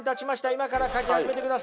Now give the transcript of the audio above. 今から描き始めてください。